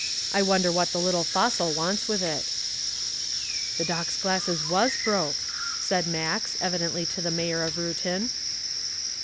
I wonder what the little fossil wants with it." "The Doc's glasses was broke," said Max, evidently to the mayor of Reuton.